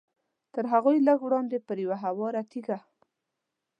تر هغوی لږ وړاندې پر یوه هواره تیږه.